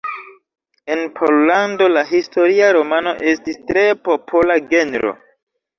En Pollando la historia romano estis tre popola genro.